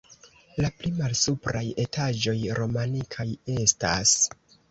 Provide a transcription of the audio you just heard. La pli malsupraj etaĝoj romanikaj estas.